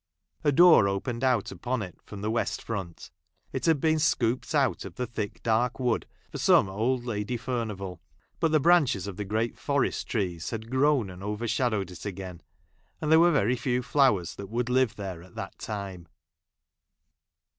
A door opened out upon it from the i west front ; it had been scooped out of the thick dark wood for some old Lady Furni | vail ; but the branches of the great forest i trees had grown and overshadowed it again, and there were very few flowers that would live there at that time.